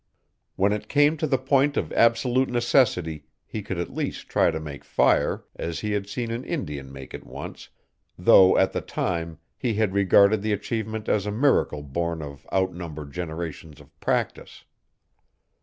When it came to the point of absolute necessity he could at least try to make fire as he had seen an Indian make it once, though at the time he had regarded the achievement as a miracle born of unnumbered generations of practice.